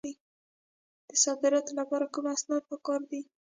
د صادراتو لپاره کوم اسناد پکار دي؟